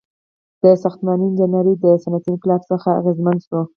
• ساختماني انجینري د صنعتي انقلاب څخه اغیزمنه شوه.